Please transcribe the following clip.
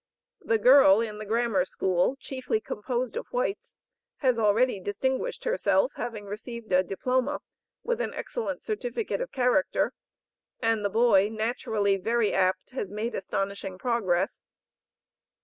The girl, in the Grammar School (chiefly composed of whites), has already distinguished herself, having received a diploma, with an excellent certificate of character; and the boy, naturally very apt, has made astonishing progress."